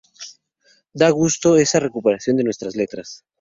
Da gusto esta recuperación de nuestras letras.